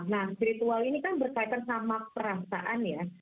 nah spiritual ini kan berkaitan sama perasaan ya